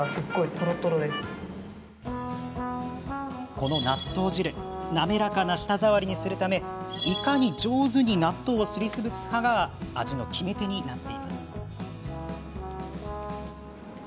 この納豆汁滑らかな舌触りにするためいかに上手に納豆をすりつぶすかが味の決め手になっています。